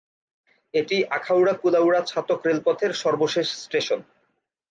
এটি আখাউড়া-কুলাউড়া-ছাতক রেলপথের সর্বশেষ স্টেশন।